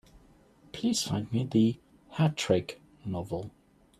Please find me the Hat Trick novel.